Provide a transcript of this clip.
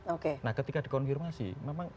oke nah ketika dikonfirmasi memang